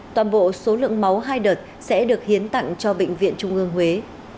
toàn bộ số lượng máu hai đợt sẽ được hiến tặng cho bệnh viện trung ương huế